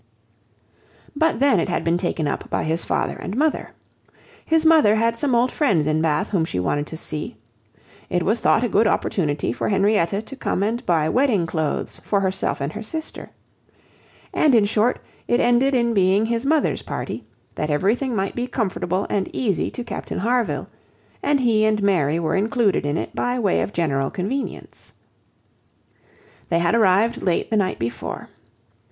But then, it had been taken up by his father and mother. His mother had some old friends in Bath whom she wanted to see; it was thought a good opportunity for Henrietta to come and buy wedding clothes for herself and her sister; and, in short, it ended in being his mother's party, that everything might be comfortable and easy to Captain Harville; and he and Mary were included in it by way of general convenience. They had arrived late the night before.